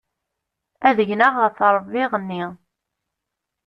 Ad gneɣ ɣef ṛṛbiɣ-nni.